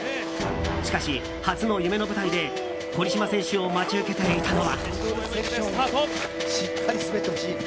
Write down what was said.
しかし初の夢の舞台で堀島選手を待ち受けていたのは。